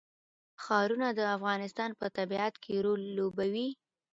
ښارونه د افغانستان په طبیعت کې رول لوبوي.